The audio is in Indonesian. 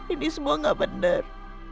ini semua gak benar